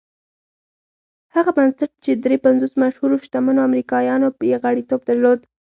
هغه بنسټ چې دري پنځوس مشهورو شتمنو امريکايانو يې غړيتوب درلود.